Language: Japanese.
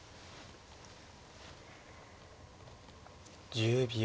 １０秒。